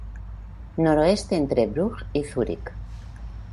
Noreste entre Brugg y Zúrich.